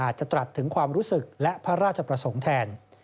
ตรัสถึงความรู้สึกและพระราชประสงค์แทน